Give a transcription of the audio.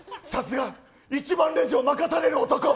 さすが、１番レジを任される男！